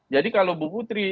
jadi kalau bu putri